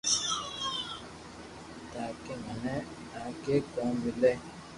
تاڪي مني آگي ڪوم ملي